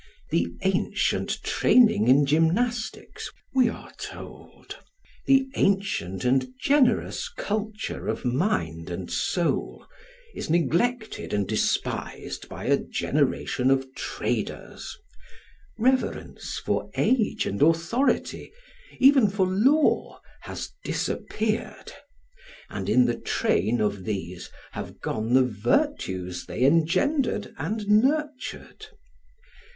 The ancient training in gymnastics, we are told, the ancient and generous culture of mind and soul, is neglected and despised by a generation of traders; reverence for age and authority, even for law, has disappeared; and in the train of these have gone the virtues they engendered and nurtured.